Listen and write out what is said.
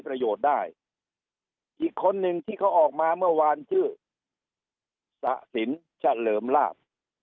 ประโยชน์ได้อีกคนหนึ่งที่เขาออกมาเมื่อวานชื่อสะสินเฉลิมลาบ